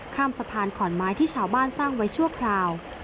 ข้ามสะพานขอนไม้ที่ชาวบ้านสร้างไว้ชั่วคราว